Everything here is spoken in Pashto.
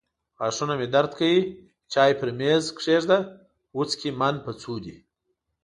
غاښونه مې درد کوي. چای پر مېز کښېږده. وڅکې من په څو دي.